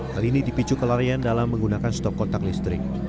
hal ini dipicu kelarian dalam menggunakan stop kontak listrik